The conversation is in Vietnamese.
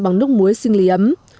bằng nước muối sinh lý ấm